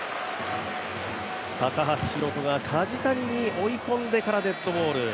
高橋宏斗が、梶谷に追い込んでからデッドボール。